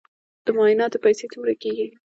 د معایناتو پیسې څومره کیږي؟